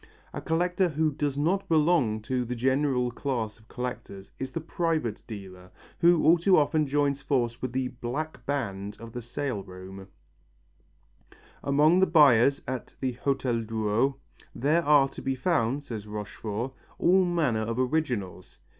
A collector who does not belong to the general class of collectors is the private dealer, who all too often joins forces with the "black band" of the sale rooms. Among the buyers at the Hotel Drouot, there are to be found, says Rochefort, all manner of originals.